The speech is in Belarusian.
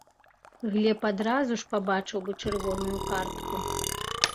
Глеб адразу ж пабачыў бы чырвоную картку.